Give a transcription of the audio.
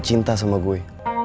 cinta sama gue